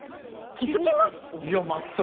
気付きました？